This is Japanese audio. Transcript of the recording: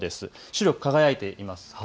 白く輝いています。